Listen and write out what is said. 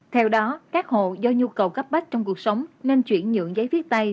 theo đó các hộ do nhu cầu cấp bách trong cuộc sống nên chuyển nhượng giấy viết tay